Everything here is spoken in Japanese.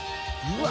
うわ！